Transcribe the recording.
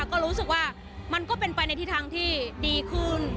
ก็รู้สึกว่ามันก็เป็นไปในทิศทางที่ดีขึ้น